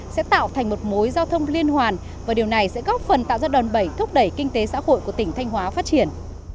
sẽ tạo thành một mối giao thông liên hoàn và điều này sẽ góp phần tạo ra đòn bẩy thúc đẩy kinh tế xã hội của tỉnh thanh hóa phát triển